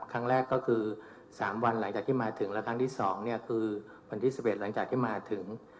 ครั้งแรกก็คือ๓วันหลังจากที่มาถึง